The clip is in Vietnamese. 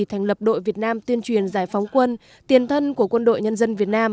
thành lập đội việt nam tuyên truyền giải phóng quân tiền thân của quân đội nhân dân việt nam